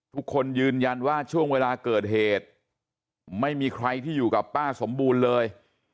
ทุกคนยืนยันว่าช่วงเวลาเกิดเหตุไม่มีใครที่อยู่กับป้าสมบูรณ์เลย